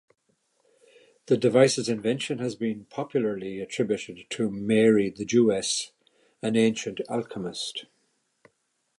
The device's invention has been popularly attributed to Mary the Jewess, an ancient alchemist.